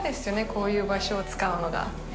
こういう場所を使うのが。